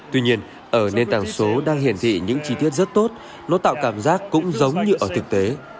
tuy nhiên ở nền tảng số đang hiển dị những chi tiết rất tốt nó tạo cảm giác cũng giống như ở thực tế